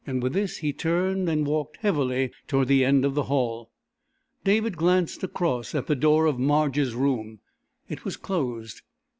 With this he turned and walked heavily toward the end of the hall. David glanced across at the door of Marge's room. It was closed.